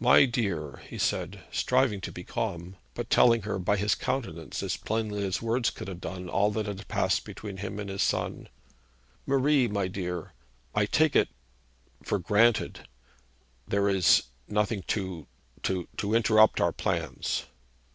'My dear,' he said, striving to be calm, but telling her by his countenance as plainly as words could have done all that had passed between him and his son, 'Marie, my dear, I take it for granted there is nothing to to to interrupt our plans.'